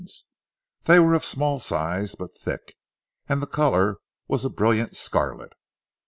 They were of small size but thick, and the colour was a brilliant scarlet.